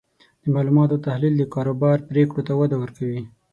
د معلوماتو تحلیل د کاروبار پریکړو ته وده ورکوي.